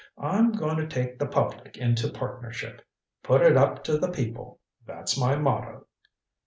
I'm going to take the public into partnership. Put it up to the people that's my motto."